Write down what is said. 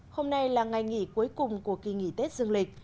hôm nay là ngày nghỉ cuối cùng của kỳ nghỉ tết dương lịch